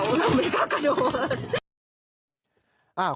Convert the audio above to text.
แล้วไม่กลับกระโดด